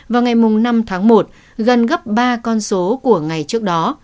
vào ngày năm tháng một gần gấp ba con số của ngày trước đó